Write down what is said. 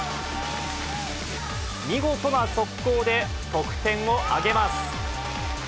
見事な速攻で、得点を挙げます。